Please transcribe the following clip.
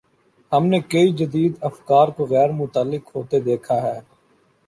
ہم نے کئی جدید افکار کو غیر متعلق ہوتے دیکھا ہے۔